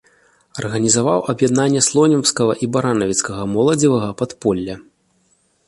Арганізаваў аб'яднанне слонімскага і баранавіцкага моладзевага падполля.